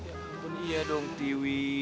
ya ampun iya dong tiwi